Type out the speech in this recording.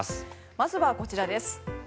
まずはこちらです。